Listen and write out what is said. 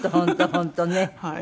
本当ね。